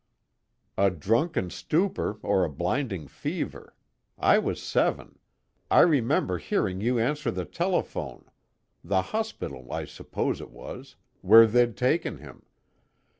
"A drunken stupor, or a blinding fever. I was seven; I remember hearing you answer the telephone the hospital, I suppose it was, where they'd taken him.